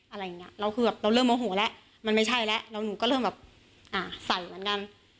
อะไรอย่างเงี้ยเราคือแบบเราเริ่มโมโหแล้วมันไม่ใช่แล้วแล้วหนูก็เริ่มแบบอ่าใส่เหมือนกัน